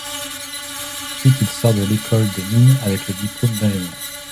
Ensuite il sort de l’Ecole des Mines avec le diplôme d’ingénieur.